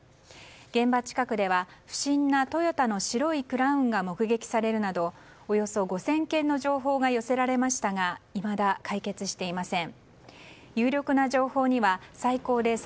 現場近くでは不審なトヨタの白いクラウンが目撃されるなどおよそ５０００件の情報が寄せられましたが未だ解決していません。